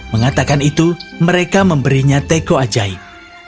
mengatakan itu mereka memberinya teko ajaib